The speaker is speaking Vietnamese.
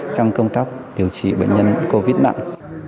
trong công tác điều trị bệnh nhân covid nặng